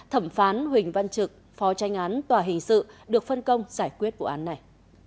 thẩm phán huỳnh văn trực phó tranh án tòa hình sự được phân công giải quyết vụ án này